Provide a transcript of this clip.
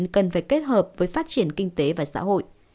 cần phải kết hợp với phát triển kinh tế và xã hội